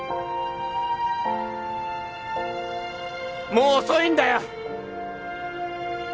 もう遅いんだよ！